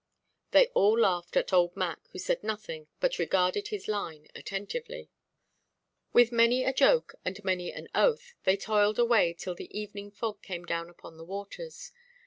They all laughed at old Mac, who said nothing, but regarded his line attentively. With many a joke and many an oath, they toiled away till the evening fog came down upon the waters.